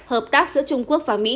hợp tác giữa trung quốc và mỹ